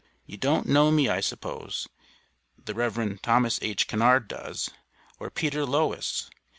You don't no me I supos, the Rev. Thomas H. Kennard dos, or Peter Lowis.